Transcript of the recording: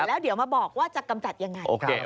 แล้วเดี๋ยวมาบอกว่าจะกำจัดยังไง